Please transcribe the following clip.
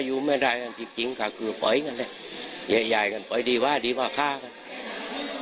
ไยไยกันึงไปดีวะดีพะฆ่ากัน